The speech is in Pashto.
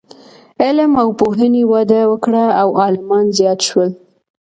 علم او پوهنې وده وکړه او عالمان زیات شول.